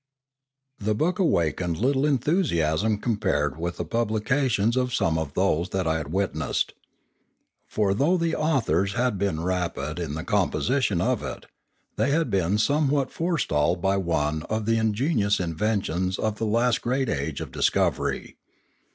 The book awakened little enthusiasm compared with the publication of some of those that I had witnessed. For, though the authors had been rapid in the compo sition of it, they had been somewhat forestalled by one of the ingenious inventions of the last great age of dis covery.